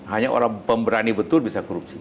hanya orang pemberani betul bisa korupsi